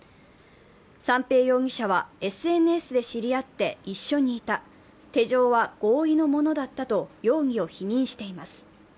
三瓶容疑者は、ＳＮＳで知り合って一緒にいた、手錠は合意のものだったと容疑を否認しています。